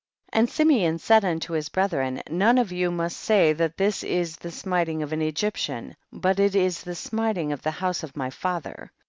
44. And yimeou said unto his brethren, none of you must say that this is the smiting of an Egyptian, but it is the smiting of the house of my father.